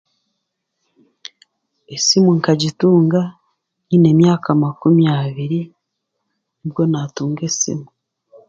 Esimu nk'agitunga nyine emyaka makumi abiri, nibwo naatunga esimu.